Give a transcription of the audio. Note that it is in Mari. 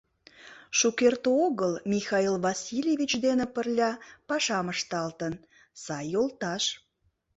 Шукерте огыл Михаил Васильевич дене пырля пашам ышталтын, сай йолташ.